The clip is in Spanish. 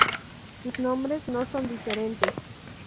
Sus nombres no son diferentes.